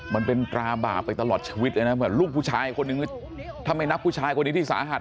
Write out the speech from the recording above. มันเป็นตราบาปไปตลอดชีวิตเลยนะเหมือนลูกผู้ชายคนนึงถ้าไม่นับผู้ชายคนนี้ที่สาหัส